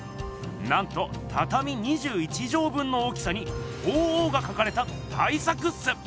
なんとたたみ２１畳分の大きさに鳳凰がかかれた大作っす！